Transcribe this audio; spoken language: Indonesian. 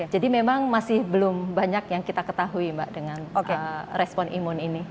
jadi memang masih belum banyak yang kita ketahui mbak dengan respon imun ini